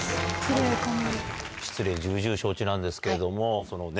失礼重々承知なんですけれども。